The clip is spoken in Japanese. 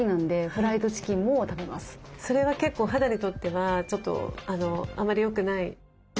それは結構肌にとってはちょっとあまりよくない。